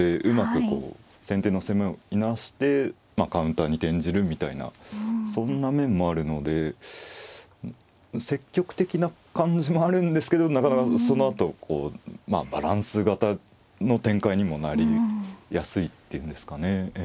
うまく先手の攻めをいなしてカウンターに転じるみたいなそんな面もあるので積極的な感じもあるんですけどなかなかその後こうバランス型の展開にもなりやすいっていうんですかね。